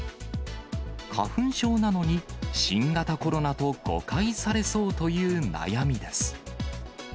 花粉症なのに、新型コロナと誤解されそうという悩みです。